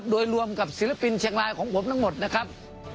โดยรวมกับศิลปินเชียงรายของผมทั้งหมดนะครับ